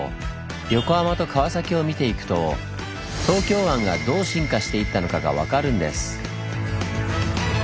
横浜と川崎を見ていくと東京湾がどう進化していったのかが分かるんです。